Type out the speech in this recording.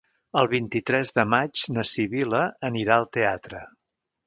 El vint-i-tres de maig na Sibil·la anirà al teatre.